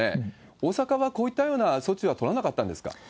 大阪はこういったような措置は取らなかったんですか？